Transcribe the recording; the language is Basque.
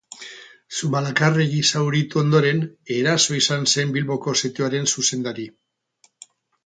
Zumalakarregi zauritu ondoren, Eraso izan zen Bilboko setioaren zuzendari.